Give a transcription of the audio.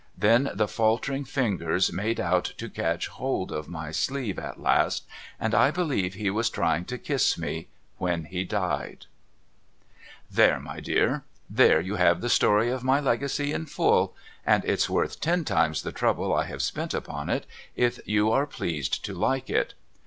Then the faltering fingers made 374 MRS. LIRRIPER'S LEGACY out to catch hold of my sleeve at last, and I believe he was a trying to kiss me when he died. There my dear I There you have the story of my Legacy in full, and it's worth ten times the trouble I have si)cnt upon it if you are pleased to like it.